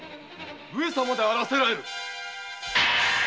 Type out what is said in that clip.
上様であらせられる！